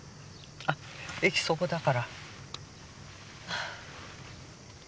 あっ駅そこだから。